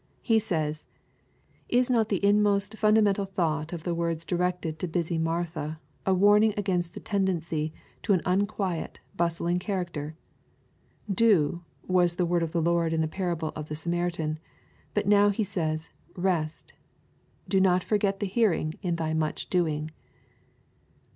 He says, "Is not the inmost fundamentiJ thought of the words directed to busy Martha, a warning against the tendency to an unquiet, bustling character ?* Do* was the word of the Lord in the parable of the good Samaritan; but now He says, .'rest* 'Do not forget the hearing in thy much doing.'